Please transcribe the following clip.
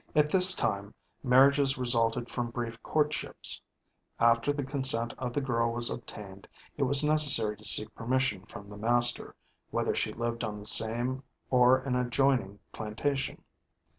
At this time marriages resulted from brief courtships. After the consent of the girl was obtained, it was necessary to seek permission from the master, whether she lived on the same or an adjoining plantation.